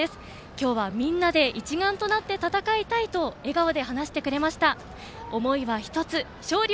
今日はみんなで一丸となって戦いたいと話してくれました。